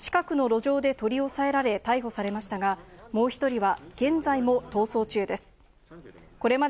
このうち１人は近くの路上で取り押さえられ、逮捕されましたが、もう１人は現在も逃走中です。